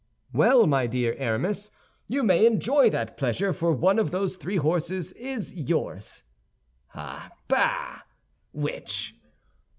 "Well, my dear Aramis, you may enjoy that pleasure, for one of those three horses is yours." "Ah, bah! Which?"